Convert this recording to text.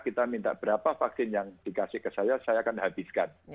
kita minta berapa vaksin yang dikasih ke saya saya akan habiskan